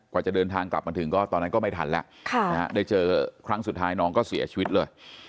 จะเดินทางกลับมาถึงก็ตอนนั้นก็ไม่ทันแล้วได้เจอครั้งสุดท้ายน้องก็เสียชีวิตเลย